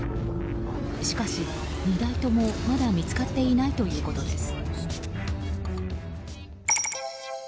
しかし、２台ともまだ見つかっていないということです。